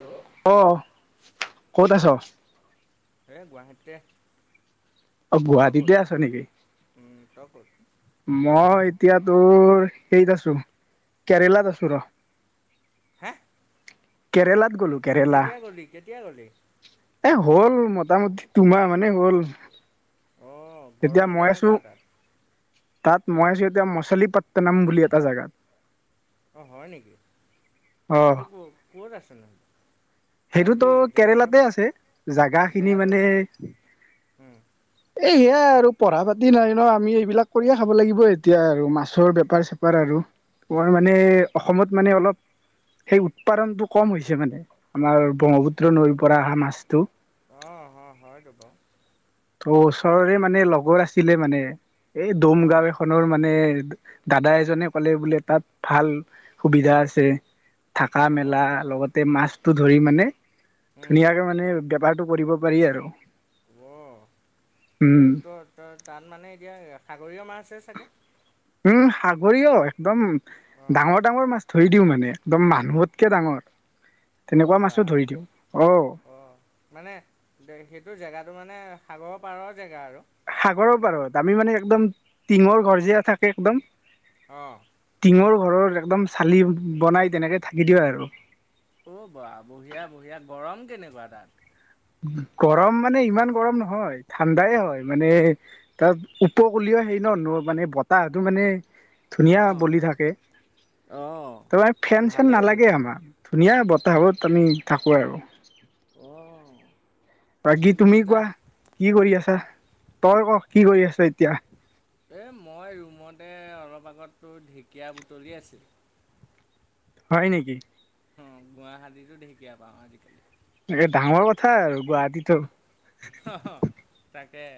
Hello ক ক'ত আছ এ গুৱাহাটীতে। অ তই ক'ত গুৱাহাটীতে আছ নেকি উম তই ক'ত মই এতিয়া তোৰ হেইত আছোঁ কেৰেলাত আছোঁ ৰ হে কেৰেলাত গ'লো কেৰেলা কেতিয়া গ'লি এ হ'ল ম মোটামুটি দুমাহ মানে হ'ল অঁ তেতিয়া গৰম মই আছোঁ কেনেকুৱা তাত তাত মই আছোঁ এতিয়া মচলী পট্টনম বুলি এটা জেগাত অঁ হয় নেকি অ সেইটো ক' ক'ত আছে সেইটোতো জেগাটো কেৰেলাতে আছে জাগাখিনি জেগাটো মানে অঁ এই সেয়াই আৰু পঢ়া পাতি নাই ন আমি এইবিলাক কৰিয়ে খাব লাগিব এতিয়া আৰু মাছৰ বেপাৰ চেপাৰ আৰু তোমাৰ মানে অসমত মানে অলপ সেই উৎপাদনটো কম হৈছে মানে আমাৰ ব্ৰহ্মপুত্ৰ নৈৰ পৰা আহা মাছটো অঁ অঁ হয়তো বাৰু ত ওচৰৰে মানে লগৰ আছিলে মানে এই দৌম অঁ গাওঁ এখনৰ মানে দাদা এজনে ক'লে বোলে তাত ভাল সুবিধা আছে থাকা অঁ হয় মেলা লগতে মাছটো ধৰি মানে ধুনীয়াকে মানে বেপাৰ টো কৰিব পাৰি আৰু অ উম তোৰ ত ত তাত মানে এতিয়া সাগৰীয় মাছ ছে চাগে উম সাগৰিয় একদম অঁ ডাঙৰ ডাঙৰ মাছ ধৰি দিওঁ মানে একদম মানুহতকে ডাঙৰ অ তেনেকুৱা বা মাছো ধৰি দিওঁ অ অ মানে সেইটো জেগাটো মানে সাগৰৰ পাৰৰ জেগা আৰু সাগৰৰ পাৰৰ দামি মানুহে একদম টিঙৰ ঘৰ যে থাকে একদম অঁ টিঙৰ ঘৰৰ একদম চালি বনাই তেনেকে থাকি দিওঁ আৰু অঁ' বা বঢ়িয়া, বঢ়িয়া গৰম কেনেকুৱা তাত গৰম মানে ইমান গৰম নহয় ঠাণ্ডাই হয় মানে তাত উপকীয় সেই ন ন মানে বতাহটো মানে। ধুনীয়া অঁ বলি থাকে। অঁ তোৰ ফেন চেন ভালেই নালাগে, তেতিয়া আমাৰ ধুনীয়া বত বত আমি থাকোঁ আৰু অঁ। বাকী তুমি মজা কোৱা কি কৰি আছা হা তই ক কি কৰি আছ এতিয়া এই মই ৰুমতে অলপ আগতো ঢেঁকীয়া বুটলি আছিল। হয় নেকি! অঁ গুৱাহাতী টো ঢেকীয়া পাওঁ আজিকালি। এ ডাঙৰ কথা আৰু গুৱাহাটীতো। হেঁ!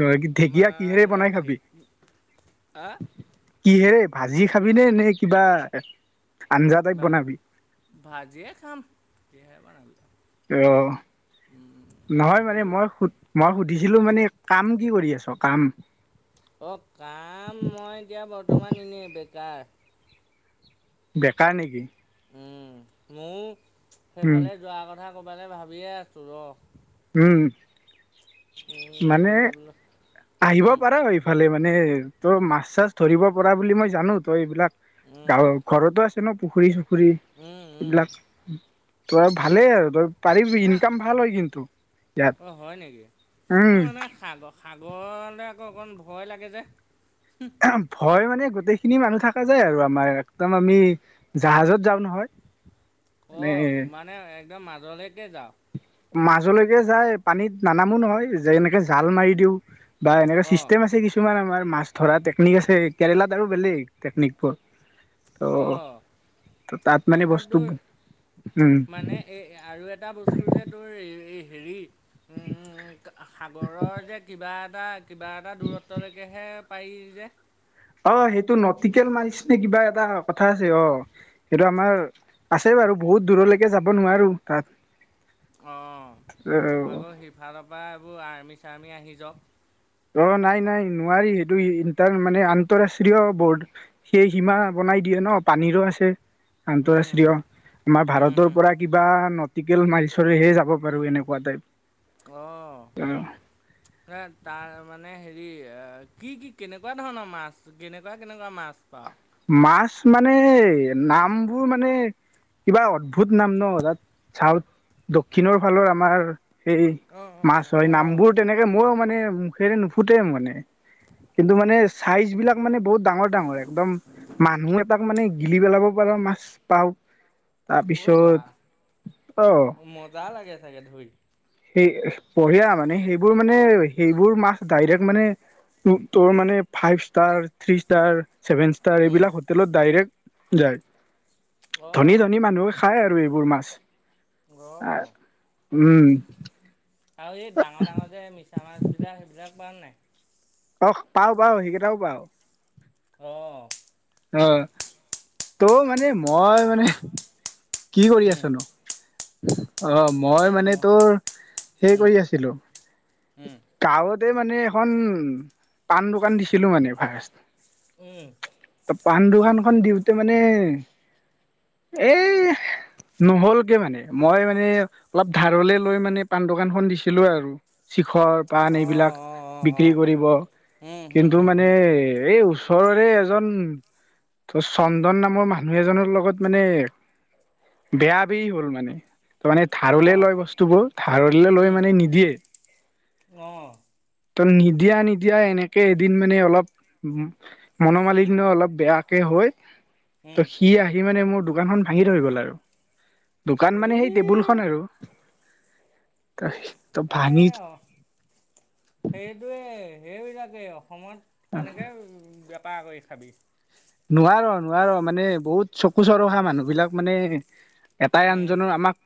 তই ঢেকীয়া কিহেৰে বনাই খাবি? আ কিহেৰে ভাজি খাবিনে নে কিবা! আঞ্জা টাইপ নাই বনাবি ভাজিয়ে খাম সহে বনালো। অঁ আৰু নহয় মানে তোৰ মই সু মই সুধি ছিলো মানে কাম কি কৰি আছ কাম? অঁ কাম মই এতিয়া বৰ্তমান এনে বেকাৰ। বেকাৰ নেকি? উম ময়ও উম সেইফালে যোৱা কথা ক'বালৈ ভাবিয়ে আছো ৰ। উম উম, মানে গৈ বোলো আহিব উম, পাৰা এইফালে মানে মানে তই মাছ- চাছ ধৰিব পৰা বুলি মই জানো তই এইবিলাক উম, গাঁৱ ঘৰতো আ! জানো পুখুৰী চুখুৰী উম, উম এইবিলাক তই ভালেই আৰু তই পাৰিবি না ইনকাম ভাল হয় কিন্তু অঁ হয় ইয়াত। বৰলৈ আকৌ অকণ ভয় লাগে যে। ভয় মানে। গোটেইখিনি মানুহ থকা যায় আৰু আমাৰ একদম আমি জাহাজত যাওঁ নহয়। অঁ মানে একদম মাজলৈ মাজলৈকে যায় পানীত নানামো নহয় যে এনেকে জাল মাৰি দিওঁ। বা এনেকুৱা অঁ চিষ্টেম আছে কিছুমান আমাৰ। মাছ ধৰা টেকনিক আছে। কেৰেলাত আৰু বেলেগ টেকনিকবোৰ। অঁ ত' তাত মানে তাৰপিছত বস্তু তোৰ উম মানে এই আৰু এটা বস্তু যে তোৰ হেৰি সাগৰৰ যে কিবা এটা কিবা এটা দূৰত্বলৈকেহে পাৰি যে অঁ সেইটো নটিকেল মাৰিছ নে কিবা এটা কথা আছে অ সেইটো আমাৰ আছে বাৰু বহুত দূৰলৈকে যাব নোৱাৰোঁ তাত। অঁ আকৌ সিফালৰ পৰা এইবোৰ আৰ্মি চাৰ্মি আহি যাওঁক। অঁ নাই নাই নোৱাৰি সেইটোৰ মানে আন্তঃৰাষ্ট্ৰীয় ব সেই সীমা বন পানীৰো আছে। উম, আন্তঃৰাষ্ট্ৰীয়। আমাৰ উম, হুম। ভাৰতৰ কিবা টিকেল মাৰি চৰিহে যাব পাৰো এনেকুৱা টাইপ। আহ এ তাৰ মানে হেৰি কি কি কেনেকুৱা ধৰণৰ মাছ কেনেকুৱা কেনেকুৱা মাছ পাওঁ মাছ মানে নামবোৰ মানে কিবা অদ্ভুত নাম ন তাত চাউথ দক্ষিণৰ ফালৰ আমাৰ সেই অ', মাছ অ', অ', হয় অ', নামবোৰ তেনেকে মইও মানে মুখেৰে নুফুটে মানে। কিন্তু মানে চাইজ বিলাক মানে বহুত ডাঙৰ ডাঙৰ এক্দম মানুহ এটাক মানে গিলি পেলাব পাৰো মাছ পাও অ' বা মজা লাগে চাগে ধৰি সেই বঢ়িয়া মানে সেইবোৰ মানে সেইবোৰ মাছ ডাইৰেক্ মানে! তোৰ মানে five star, three star seven star um. এইবিলাক হোটেলত ডাইৰেক্ট যায়। অ', ধনী-ধনী মানুহে খায় আৰু এই এইবোৰ মাছ, আ অ', উম। আৰু এই ডাঙৰ ডাঙৰ যে মিছা মাছবিলাক সেইবিলাক খোৱা নে নাই? আহ পাও, পাও, সেইকেইটাও পাও। অ। আহ তৌ মানে মই মানে কি কৰি উম, আছনো? অ মই এই ম মানে তোৰ হেই উম, কৰি আছিলো। উম, কাৰত ততে মানে এখন পান দোকান দিছিলো মানে ফাৰ্ষ্ট। উম। ত পাণ দোকানখন দিওঁতে মানে এই নহ'ল কে মানে। মই মানে অলপ ধাৰলে লৈ মানে পাণ দোকানখন দিছিলো আৰু ঘৰৰ পাণ অ', এইবিলাক অ', অ', বিক্ৰী অ', কৰিব। উম, হুম, কিন্তু হুম, মানে হুম, এই ও ওচৰৰে এজন ত চন্দন নামৰ মানুহ এজনৰ লগত মানে বেয়া বেই হ'ল মানে। তাৰ মানে ধাৰলে অ', লই বস্তুবোৰ, ধাৰলে লৈ মানে নিদিয়ে। অঁ। ত নিদিয়া নিদিয়া এনেকে এদিন মানে অলপ মনোমালিন্য অলপ বেয়াকে হয়। ত উম, সি আহি মানে মোৰ দোকানখন ভাঙি থৈ গ'ল আৰু। দোকান মানে ই সেই টেবুল খন আৰু। ত এ ভাঙি অ', তাক অসমত কেনেকে বেপাৰ কৰি খাবি? নোৱাৰ, নোৱাৰ। মানে বহুত চকু চৰহা মানুহ বিলাক মানে এটাই উম, আনজনৰ আমাক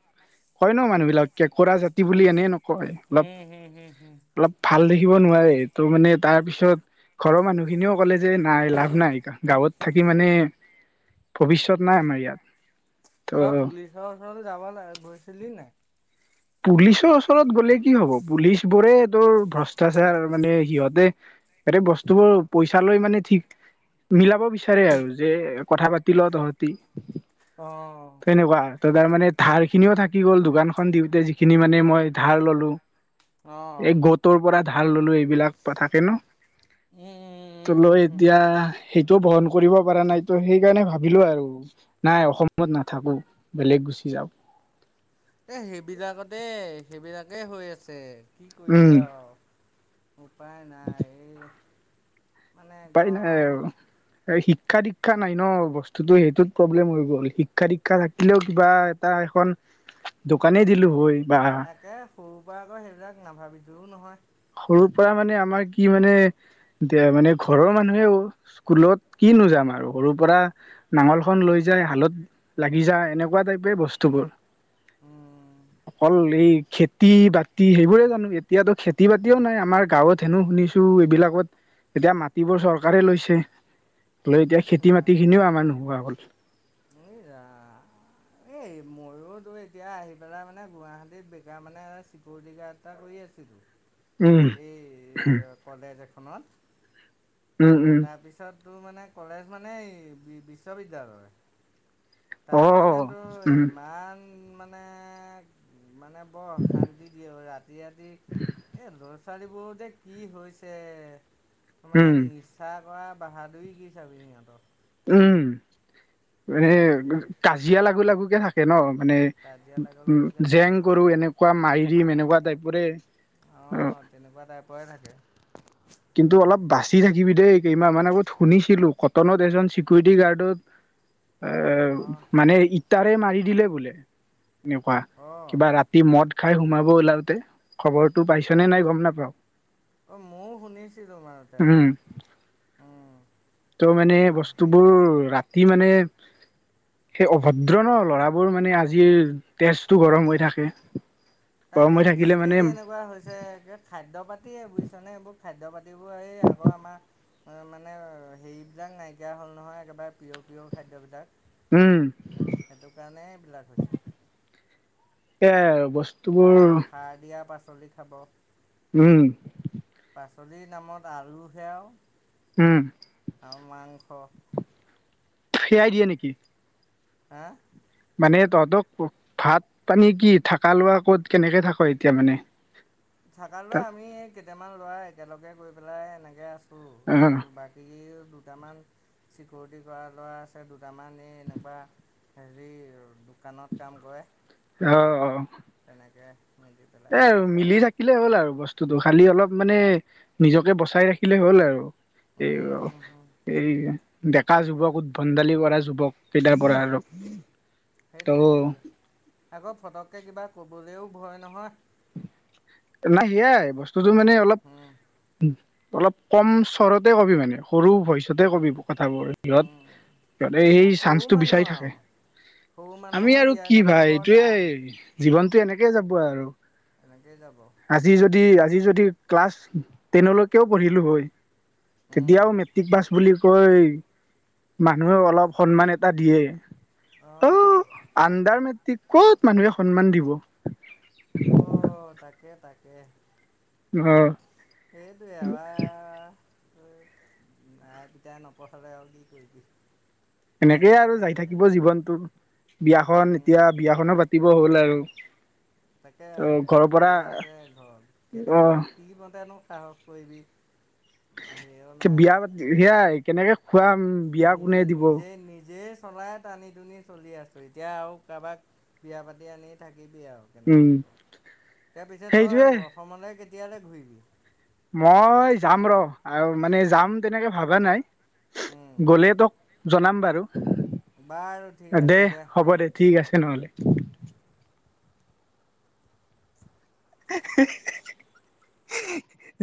কয় ন মানুহ বিলাক কেঁকোৰা জাতি বুলি। এনেই ন কয়, উম, হুম, হুম, হুম। অলপ-অলপ ভাল দে খিব নোৱাৰে। ত' মানে তাৰ পিছত ঘৰৰ মানুহখিনিও ক'লে যে নাই লাভ নাই গাঁৱত থাকি মানে ভৱিষ্যত নাই আমাৰ ইয়াত। ত তই পুলিচৰ ওচৰ যাব লা গৈছিলি নাই? পুলিচৰ ওচৰত গ'লে কি হব? পুলিচ বোৰে তোৰ ভ্ৰষ্টাচাৰ। মানে সিহঁতে বেলেগ বস্তুবোৰ পইচা লৈ মানে ঠিক। মিলাব বিচাৰে আৰু যে কথা পাতি ল তহঁতি। অঁঅঁ। তেনেকুৱা ত তাৰ মানে ধাৰ খিনিও থাকি গ'ল, দোকানখন দিওঁতে যিখিনি মানে মই ধাৰ ললো। এই অ', গতৰ পৰা ধাৰ ললো। এইবিলাক থাকে ন? উম, ত উম, লৈ উম, উম, এতিয়া সেইটো বহন কৰিব পৰা নাই। তো সেইকাৰণে ভাবিলো আৰু নাই অসমত নাথাকো। বেলেগ গুচি যাওঁ। এ সেইবিলাকতে সেইবিলাকেই হৈ আছে। কি কৰিবি উম আও। উপায় নাই। এই মানে উপাই নাই একদম আৰু এই শিক শিক্ষা দীক্ষা নাই ন? বস্তুটো সেইটোত প্ৰব্লেম হৈ গ'ল। শিক্ষা দীক্ষা থাকিলেও কিবা এটা এখন দোকানেই দিলো হয়। বা তাকে। সৰুৰ পৰা আকৌ সেইবিলাক নাভাবিলিও নহয়। সৰুৰ পৰা মানে আমাৰ কি মানে এ মানে ঘৰৰ মানুহে স্কুলত কি কি নো যাম আৰু সৰুৰ পৰা নাঙল খন লৈ যাই হালত লাগি যায়। এনেকুৱা টাইপে বস্তুবোৰ। অ অকল এই খেতি-বাতি সেইবোৰে জানো? এতিয়াতো খেত খেতি-বাতিও নাই আমাৰ গাঁৱত। হেনো শুনিছো এইবিলাকত এতিয়া মাটিবোৰ চৰকাৰে লৈছে। লৈ এতিয়া খেতি মাটি খিনিও নাই আমাৰ নোহোৱা হ'ল। এই ৰাম। এই ময়োতো এতিয়া আহি পেলাই মানে গুৱাহাটীত বেকাৰ মানে চিকিউৰিটি গাৰ্ড এটা কৰি আছিলোঁ। উম এই [unintelligible] উম উম তাৰপিছত তোৰ মানে কলেজ মানে বিশ্ববিদ্যালয়। অ তাত মানে তো উম ইমান মানে মানে বৰ অশান্তি দিয়ে ৰাতি ৰাতি এই ছোৱালীবোৰতে কি হৈছে মানে উম নিজ কৰা বাহাদুুৰ কি চাবি ইহঁতৰ উম মানে কৰি কাজিয়া লাগু লাগুকে থাকে ন। মানে কাজিয়া লাগো উ লাগোকে থাকে জেং কৰো এনেকুৱা মাইৰিম এনেকুৱা টাইপৰে। অ তেনেকুৱা টাই পৰাে থাকে কিন্তু অলপ অঁ বাচি থাকিবি দেই কেইমাহ মান আগত শুনিছিলো কটনত এজন চিকিউৰিটি গাৰ্ডত উ এ মানে ইটাৰে মাৰি দিলে বোলে। এনেকুৱা অঁ কিবা ৰাতি মদ খাই সোমাব ওলাওতে খবৰটো পাইছনে নাই গম নাপাও অ ময়ও শুনিছিলো তো উম মাৰতেবাৰ ত' মানে বস্তুবোৰ ৰাতি মানে। সেই অভদ্ৰ ন ল'ৰাবোৰ মানে আজিৰ তেজটো গৰম হৈ থাকে। গৰম তাকে হৈ থাকিলে কেলে মানে যে এনেকুৱা হৈছে খাদ্য পাতিয়ে বুজিছ নে এইবোৰ খাদ্য পাতি দেব এই আগৰ আমাৰ মানে হেৰিবিলাক নাইকিয়া হ'ল নহয় একেবাৰে পিয় প্ৰিয় উম খাদ্যবিলাক সেইটো কাৰণে এইবলাক হৈছে এয়া আৰু বস হ সাৰ দিয়া পাচলি খাব উম পাচলিৰ নামত আলু সেয়াও উম আৰু মাংস সেয়াই দিয়ে নেকি হা মানে তহঁতক ভাত পানী কি থাকা লোৱা ক'ত কেনেকে থাক এতিয়া মানে থাকালৈ তাত আমি কেইটামান লৰা একেলগে গৈ পেলাই এনেকে আছো অ এই বাকী দুটামান চিকিৰিটি কৰা ল'ৰা আছে দুটামান এই এনেকুৱা হজৰি আহ আহ তেনেকৈ এ আৰু মিলি থাকিলে হ'ল আৰু বস্তুটো খালি অলপ মানে নিজকে বচাই ৰাখিলে হ'ল আৰু উম হুম হুম এই এই ডেকা যুৱক উদ্ভণ্ডালি কৰা যুৱক কেইটাৰ পৰা আৰু ত' সেইটোৱে সেইটোৱে আকৌ ফটককৈ কিবা ক'বলৈও ভয় নহয় নাই সেয়াই বস্তুটো মানে অলপ উম অলপ কম চৰতে কবি মানে সৰু ভইচতে কবি উম কথাবোৰ সিহত উম সিহঁত এ সেই সৰু চান্সটো বিচাৰি মানুহ থাকে আৰু সৰু আমি মানুহৰ আৰু জীয়াই কি থকা ভাই বৰ এইটোয়ে টান জীৱনটো এনেকে যাব আৰু এনেকেই যাব আজি যদি আজি যদি ক্লাছ টেনলৈকেও পঢ়িলো হয় উম তেতিয়াও মেট্ৰিক পাছ বুলি কৈ মানুহে অলপ সন্মান এটা দিয়ে অ অঁ আণ্ডাৰ মেট্ৰিক ক'ত মানুহে সন্মান দিব অ' তাকে তাকে অ সেইটোয়ে আবাৰ মায়াই পিতাই নপঢ়ে আৰু কি কৰিবি এনেকেই আৰু যাই থাকিব জীৱনটো বিয়াখন উম এতিয়া বিয়াখনো পাতিব হ'ল আৰু তাকে ত ঘৰৰ পৰা কৈ আছে ঘৰত অ কেনেকৈ ধৰ কি বওঁতেনো সাহস কৰিবি হেৰিও নাই বিয়া পাতি সেয়াই কেনেকে খুৱাম বিয়া কোনে নিজে দিব নিজে নিজেই চলাই টানি নি চলি আছো এতিয়া আৰু কাৰোবাক বিয়া পাতি আনি থাক থাকিবি আৰু কেনেকৈ উম থাক তাৰপিছত সেইটোৱে তই অসমলৈ কেতিয়ালৈ ঘূৰিবি মই যাম ৰ আৰু মানে যাম তেনেকে ভাবা নাই। উম, গ'লে তক জনাম বাৰু বাৰু ঠিক দে আছে হ'ব দে ঠিক আছে নহলে [inaudible]